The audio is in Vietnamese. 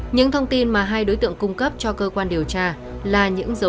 những thông tin mà hai đối tượng cung cấp cho cơ quan điều tra là những dấu hiệu